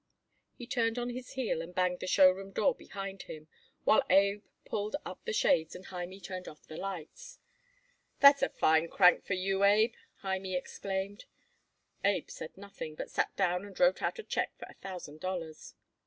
He turned on his heel and banged the show room door behind him, while Abe pulled up the shades and Hymie turned off the lights. "That's a fine crank for you, Abe," Hymie exclaimed. Abe said nothing, but sat down and wrote out a check for a thousand dollars.